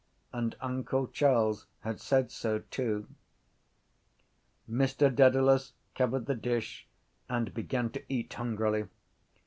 And uncle Charles had said so too. Mr Dedalus covered the dish and began to eat hungrily.